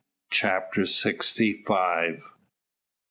CHAPTER SIXTY FIVE.